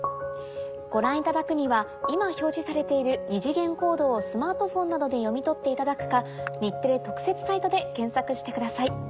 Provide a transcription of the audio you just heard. ご覧いただくには今表示されている二次元コードをスマートフォンなどで読み取っていただくか日テレ特設サイトで検索してください。